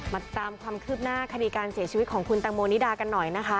มาตามความคืบหน้าคดีการเสียชีวิตของคุณตังโมนิดากันหน่อยนะคะ